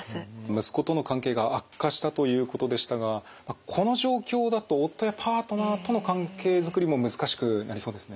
息子との関係が悪化したということでしたがこの状況だと夫やパートナーとの関係づくりも難しくなりそうですね。